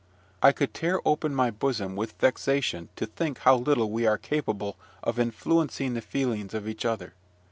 I could tear open my bosom with vexation to think how little we are capable of influencing the feelings of each other.